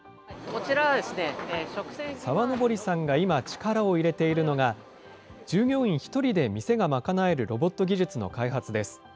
沢登さんが今、力を入れているのが、従業員１人で店が賄えるロボット技術の開発です。